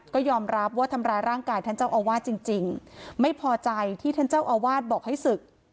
ก็ยอมรับว่าทำร้ายร่างกายท่านเจ้าอาวาสจริงจริงไม่พอใจที่ท่านเจ้าอาวาสบอกให้ศึก